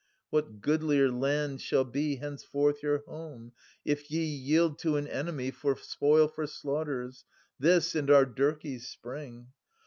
i) What goodlier land shall be Henceforth your home, if ye Yield to an enemy For spoil, for slaughters This, and our Dirk^'s spring